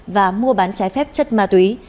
và mua bán trái phép chất ma túy